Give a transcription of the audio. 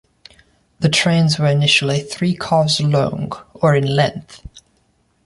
The trains were initially three-cars long or in length.